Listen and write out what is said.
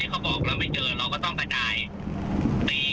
แต่ถามว่าถ้าคุณทุกคนมีอุปสรรคต่อการทำงานไหม